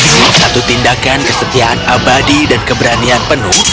ini satu tindakan kesetiaan abadi dan keberanian penuh